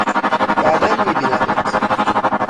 بعدا می بینمت!